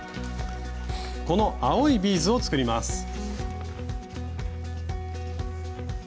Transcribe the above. この青いビーズを作ります。